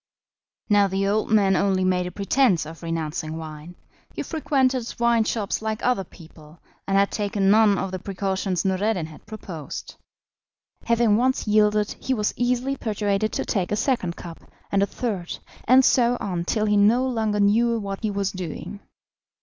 Now the old man only made a pretence of renouncing wine; he frequented wine shops like other people, and had taken none of the precautions Noureddin had proposed. Having once yielded, he was easily persuaded to take a second cup, and a third, and so on till he no longer knew what he was doing.